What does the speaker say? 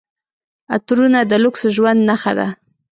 عطرونه د لوکس ژوند نښه ده.